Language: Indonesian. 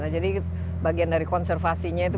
jadi bagian dari konservasinya itu